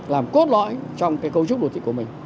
làm cốt lõi trong cái cấu trúc đô thị của mình